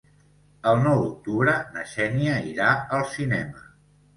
El nou d'octubre na Xènia irà al cinema.